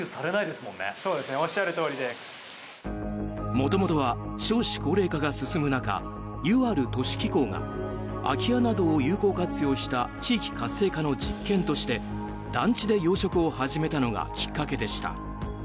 もともとは少子高齢化が進む中ＵＲ都市機構が空き家などを有効活用した地域活性化の実験として団地で養殖を始めたのがきっかけでした。